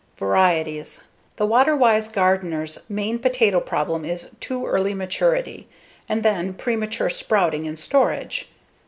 Varieties: The water wise gardener's main potato problem is too early maturity, and then premature sprouting in storage.